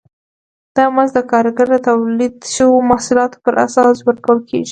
دا مزد د کارګر د تولید شویو محصولاتو پر اساس ورکول کېږي